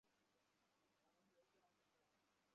উমাইর বলল, শুধু এজন্যই এসেছি।